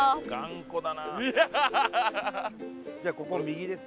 じゃあここを右です。